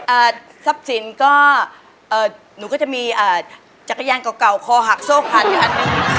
อ่าทรัพย์สินก็หนูก็จะมีจักรยานเก่าคอหักโซ่พัด